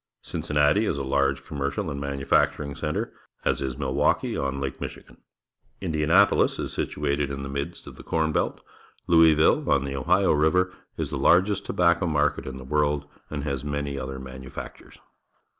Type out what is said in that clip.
Cincinnati is a large commercial and manufacturing centre, as is also Milwaukee on Lake Michigan. Indianapolis is situated in the midst of the corn belt. Louismlle, on the Ohio River, is the largest tobacco market in the world and has manj'^ other manufactures.